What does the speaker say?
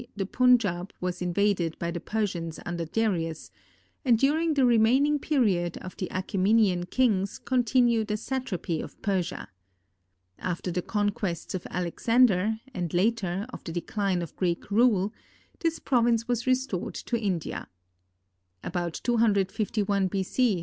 the Punjaub was invaded by the Persians under Darius, and during the remaining period of the Achæmenian kings continued a satrapy of Persia. After the conquests of Alexander, and later, of the decline of Greek rule, this province was restored to India. About 251 B. C.